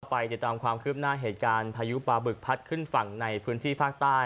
ไปติดตามความคืบหน้าเหตุการณ์พายุปลาบึกพัดขึ้นฝั่งในพื้นที่ภาคใต้